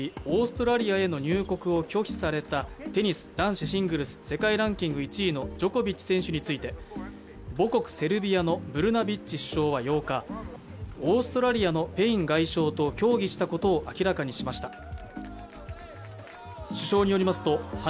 オーストラリアへの入国を拒否されたテニス男子シングルス、世界ランキング１位のジョコビッチ選手について母国セルビアのブルナビッチ首相は８日、オーストラリアのペイン外相と協議したことを明らかにしました。